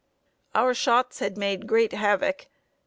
] Our shots had made great havoc.